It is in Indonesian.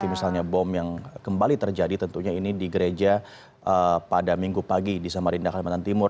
misalnya bom yang kembali terjadi tentunya ini di gereja pada minggu pagi di samarinda kalimantan timur